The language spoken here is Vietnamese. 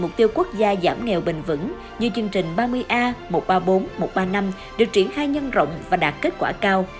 mục tiêu quốc gia giảm nghèo bền vững như chương trình ba mươi a một trăm ba mươi bốn một trăm ba mươi năm được triển khai nhân rộng và đạt kết quả cao